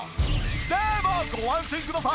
でもご安心ください。